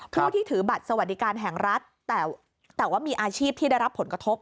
ผู้ที่ถือบัตรสวัสดิการแห่งรัฐแต่ว่ามีอาชีพที่ได้รับผลกระทบ